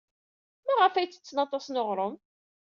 Maɣef ay ttetten aṭas n uɣrum?